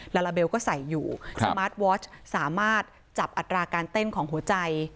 ลาลาเบลก็ใส่อยู่สมาร์ทวอชสามารถจับอัตราการเต้นของหัวใจ